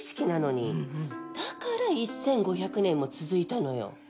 だから１５００年も続いたのよ。